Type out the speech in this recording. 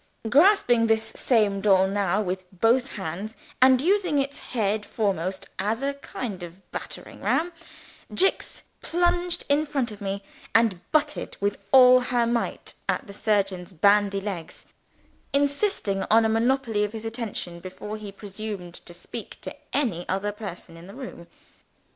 Grasping this same doll now, with both hands, and using it head foremost, as a kind of battering ram, Jicks plunged in front of me, and butted with all her might at the surgeon's bandy legs; insisting on a monopoly of his attention before he presumed to speak to any other person in the room.